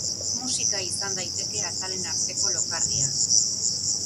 Musika izan daiteke atalen arteko lokarria.